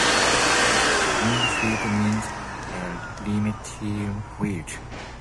Lindfield means "lime tree field".